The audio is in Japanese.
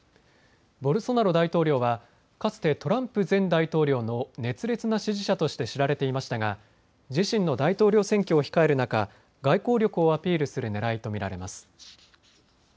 ボルソナロ大統領はかつてトランプ前大統領の熱烈な支持者として知られていましたが自身の大統領選挙を控える中、外交力をアピールするねらいと見られます。